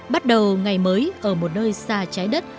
bắt đầu ngày mới ở một nơi xa trái đất